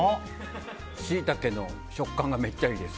シイタケの食感がめっちゃいいです。